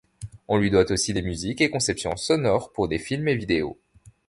On lui doit aussi des musiques et conceptions sonores pour des films et vidéos.